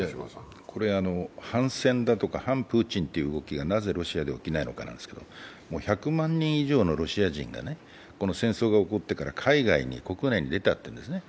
反戦だとか反プーチンだとかの動きがなぜロシアで起きないのかなんですけれども、１００万人以上のロシア人が戦争が起こってから海外に、国外に出たというんですね。